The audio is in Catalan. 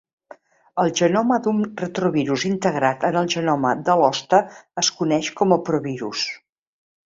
El genoma d'un retrovirus integrat en el genoma de l'hoste es coneix com a provirus.